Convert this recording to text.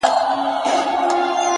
سترگو کي باڼه له ياده وباسم ـ